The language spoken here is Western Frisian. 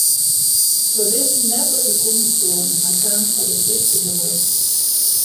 Wy wisten net dat er komme soe en hy kaam foar de tichte doar.